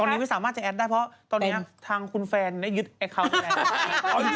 ตอนนี้ไม่สามารถจะแอดได้เพราะตอนนี้ทางคุณแฟนได้ยึดแอคเคาน์แล้ว